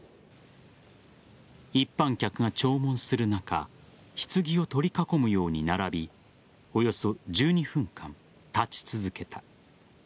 一般客が弔問する中棺を取り囲むように並びおよそ１２分間、立ち続けた。